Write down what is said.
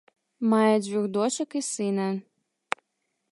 Мае дзвюх дочак і сына.